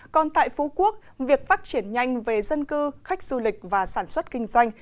còn tại phú quốc việc phát triển nhanh về dân cư khách du lịch và sản xuất kinh doanh